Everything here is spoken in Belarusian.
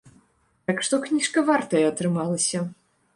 Так што, кніжка вартая атрымалася!